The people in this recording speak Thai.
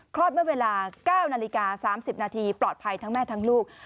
เมื่อเวลา๙นาฬิกา๓๐นาทีปลอดภัยทั้งแม่ทั้งลูก